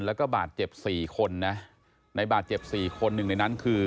แล้วก็บาดเจ็บ๔คนนะในบาดเจ็บสี่คนหนึ่งในนั้นคือ